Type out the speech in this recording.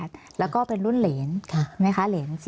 มีความรู้สึกว่าเสียใจ